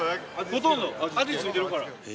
ほとんど味付いてるから。